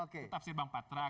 tetap sih bang patra